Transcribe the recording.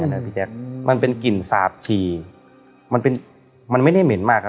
นะพี่แจ๊คมันเป็นกลิ่นสาบชีมันเป็นมันไม่ได้เหม็นมากครับ